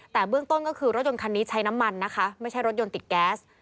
แต่เบื้องต้นก็คือรถยนต์คันนี้ใช้น้ำมันนะคะไม่ใช่รถยนต์ติดแก๊ส